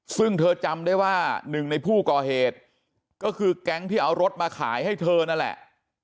ซึ่งเธอจำได้ว่าหนึ่งในผู้ก่อเหตุก็คือแก๊งที่เอารถมาขายให้เธอนั่นแหละ